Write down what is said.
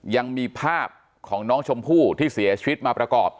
ยังมีภาพของน้องชมพู่ที่เสียชีวิตมาประกอบ